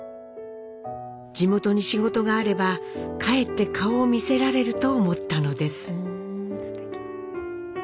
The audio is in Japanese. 地元に仕事があれば帰って顔を見せられると思ったのです。